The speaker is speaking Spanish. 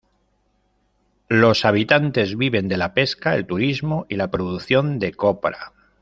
Los habitantes viven de la pesca, el turismo y la producción de Copra.